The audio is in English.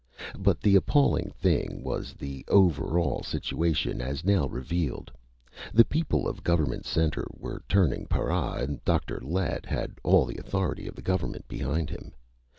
But the appalling thing was the over all situation as now revealed. The people of Government Center were turning para and Dr. Lett had all the authority of the government behind him.